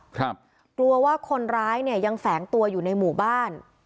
กลัวว่าคนร้ายเนี่ยยังแฝงตัวอยู่ในหมู่บ้าน